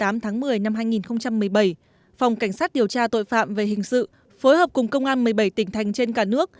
phòng cảnh sát điều tra tội phạm về hình sự phối hợp cùng công an một mươi bảy tỉnh thành trên cả nước